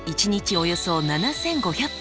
およそ７，５００本。